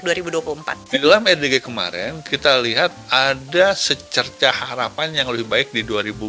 di dalam rdg kemarin kita lihat ada secerca harapan yang lebih baik di dua ribu dua puluh